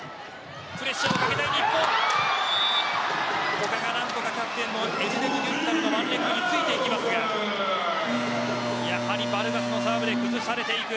古賀が何とかキャプテンのワンレッグについていきますがやはりバルガスのサーブで崩されていく。